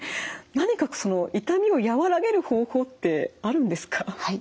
何かその痛みを和らげる方法ってあるんですか？